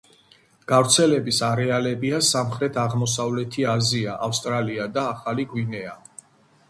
გავრცელების არეალებია სამხრეთ-აღმოსავლეთი აზია, ავსტრალია და ახალი გვინეა.